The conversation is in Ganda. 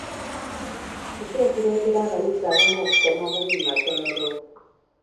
Kiki ekireetera abayizi abamu okusoma obubi mu amasomero?